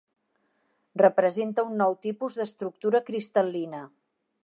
Representa un nou tipus d'estructura cristal·lina.